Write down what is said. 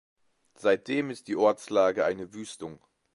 Seitdem ist die Ortslage eine Wüstung.